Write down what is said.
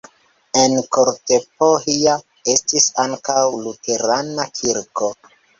En Kortepohja estis ankaŭ luterana kirko.